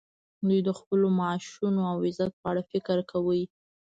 دوی د خپلو معاشونو او عزت په اړه فکر کاوه